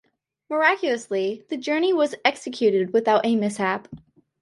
Miraculously, the journey was executed without mishap.